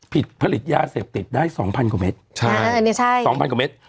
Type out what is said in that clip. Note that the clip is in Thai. ผิดผลิตยาเสพติดได้สองพันกว่าเมตรใช่อันนี้ใช่สองพันกว่าเมตร